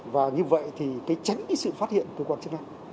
và như vậy thì tránh cái sự phát hiện cơ quan chức năng